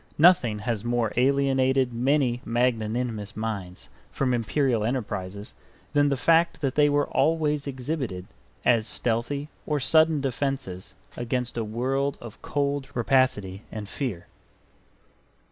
Nothing has more alienated many magnanimous minds from Imperial enterprises than the fact that they are always exhibited as stealthy or sudden defenses against a world of cold rapacity and fear.